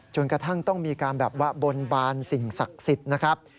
จนกระทั่งต้องมีการแบบว่าบนบานสิ่งศักดิ์สิทธิ์นะครับ